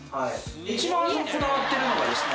一番こだわってるのがですね